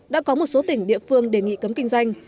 đã có một số tỉnh địa phương đề nghị cấm kinh doanh